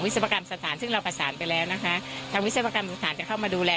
ปกรรมสถานซึ่งเราประสานไปแล้วนะคะทางวิศวกรรมสถานจะเข้ามาดูแล